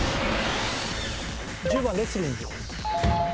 １０番レスリング。